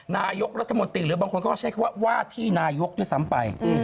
นายกรัฐมนตรีหรือบางคนก็ใช้คำว่าว่าที่นายกด้วยซ้ำไป